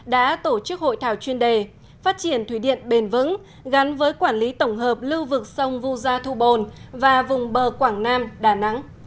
đã tổ chức hội thảo chuyên đề phát triển thủy điện bền vững gắn với quản lý tổng hợp lưu vực sông vu gia thu bồn và vùng bờ quảng nam đà nẵng